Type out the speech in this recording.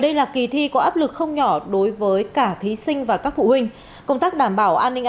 đây là kỳ thi có áp lực không nhỏ đối với cả thí sinh và các phụ huynh công tác đảm bảo an ninh